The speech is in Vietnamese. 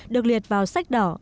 được liệt vào sách đỏ